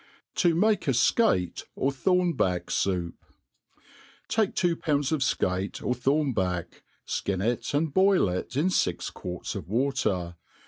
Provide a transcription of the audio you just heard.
Ti maii a Scate or Thornback Soup, TAKE two poinds of fcate or tbornback, Ikin it and boil it Wfix quarts of water.